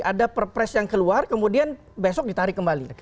ada perpres yang keluar kemudian besok ditarik kembali